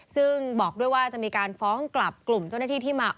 ซึ่งบอกด้วยว่าจะมีการฟ้องกลับกลุ่มเจ้าหน้าที่ที่มา